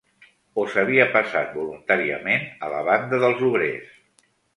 O s'havia passat voluntàriament a la banda dels obrers